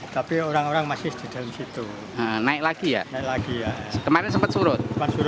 tapi orang orang masih sedang situ naik lagi ya lagi kemarin sempat surut